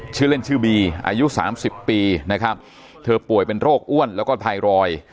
ชื่อเล่นชื่อบีอายุสามสิบปีนะครับเธอป่วยเป็นโรคอ้วนแล้วก็ไทรอยด์